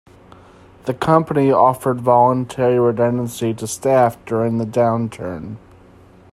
The company offered voluntary redundancy to staff during the downturn.